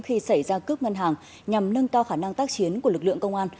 khi xảy ra cướp ngân hàng nhằm nâng cao khả năng tác chiến của lực lượng công an